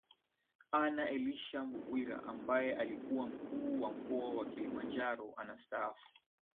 Anna Elisha Mghwira ambaye alikuwa mkuu wa mkoa wa Kilimanjaro anastaafu